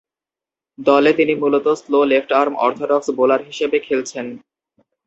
দলে তিনি মূলতঃ স্লো লেফট-আর্ম অর্থোডক্স বোলার হিসেবে খেলছেন।